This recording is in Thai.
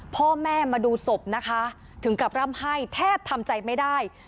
พ่อแม่มาดูศพนะคะถึงกับร่ำไห้แทบทำใจไม่ได้